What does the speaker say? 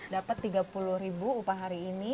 dapat tiga puluh ribu upah hari ini